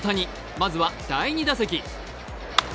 まずは第２打席。